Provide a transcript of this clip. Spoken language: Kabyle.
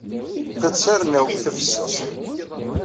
Ta d tarennawt tafessast.